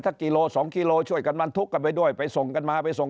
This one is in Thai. ถ้ากิโลสองกิโลช่วยกันบรรทุกกันไปด้วยไปส่งกันมาไปส่ง